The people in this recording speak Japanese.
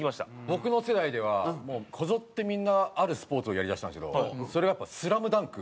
僕の世代ではもうこぞってみんなあるスポーツをやりだしたんですけどそれはやっぱ『ＳＬＡＭＤＵＮＫ』。